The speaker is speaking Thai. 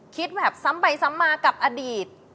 คิดแบบซ้ำไปซ้ำมากับอดีต